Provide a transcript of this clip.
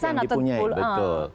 yang dipunyai betul